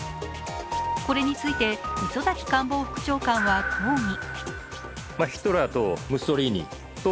これについて磯崎官房副長官は抗議。